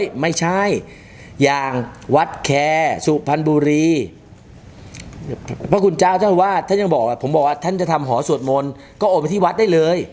ไม่ใช่อย่างวัดแคร์สุพรรณบุรีพระคุณเจ้าเจ้าวาดท่านยังบอกผมบอกว่าท่านจะทำหอสวดมนต์ก็โอนไปที่วัดได้เลย